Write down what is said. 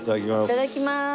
いただきまーす。